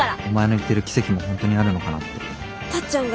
お前の言ってる奇跡も本当にあるのかなって。